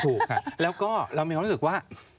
ถูกค่ะแล้วก็เรามีความรู้สึกว่า